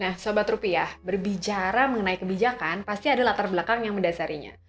nah sobat rupiah berbicara mengenai kebijakan pasti ada latar belakang yang mendasarinya